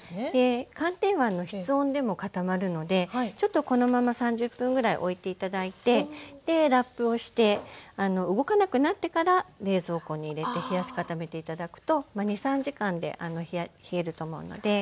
寒天は室温でも固まるのでちょっとこのまま３０分ぐらいおいて頂いてラップをして動かなくなってから冷蔵庫に入れて冷やし固めて頂くと２３時間で冷えると思うので。